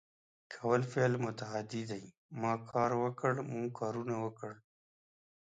کول فعل متعدي دی ما کار وکړ ، موږ کارونه وکړ